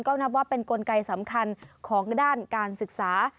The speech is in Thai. ก็นับว่าเป็นกลไกสำคัญของด้านการศึกษา